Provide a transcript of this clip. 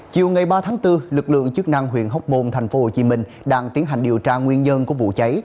chiều ba bốn lực lượng chức năng huyện hốc môn tp hcm đang tiến hành điều tra nguyên nhân của vụ cháy